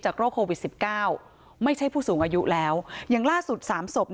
โรคโควิด๑๙ไม่ใช่ผู้สูงอายุแล้วอย่างล่าสุด๓ศพ